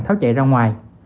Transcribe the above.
tháo chạy ra ngoài